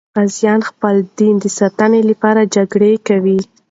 غازیان د خپل دین د ساتنې لپاره جګړه کوي.